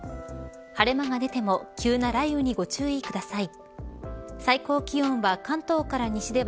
晴れ間が出ても急な雷雨にご注意ください。